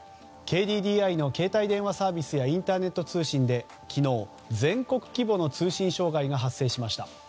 ＫＤＤＩの携帯電話サービスやインターネット通信で昨日、全国規模の通信障害が発生しました。